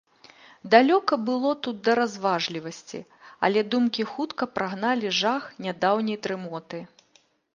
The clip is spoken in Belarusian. Далёка было тут да разважлівасці, але думкі хутка прагналі жах нядаўняй дрымоты.